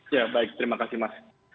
ya baik terima kasih mas